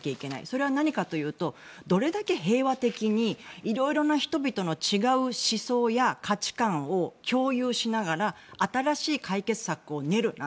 それは何かというとどれだけ平和的にいろいろな人々の違う思想や価値観を共有しながら新しい解決策を練る。